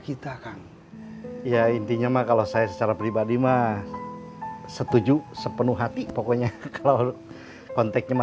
kita kan ya intinya mah kalau saya secara pribadi mah setuju sepenuh hati pokoknya kalau konteknya mah